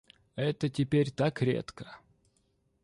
Это теперь так редко.